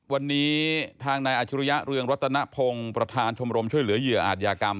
วันนี้ทางนายอาชิริยะเรืองรัตนพงศ์ประธานชมรมช่วยเหลือเหยื่ออาจยากรรม